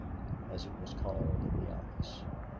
as it was called in the office.